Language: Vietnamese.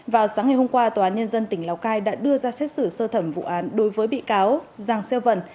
vào sáng ngày hôm qua tòa án nhân dân tỉnh lào cai đã đưa ra xét xử sơ thẩm vụ án đối với bị cáo giang xeo vần